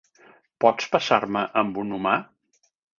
Pots passar-me amb un humà?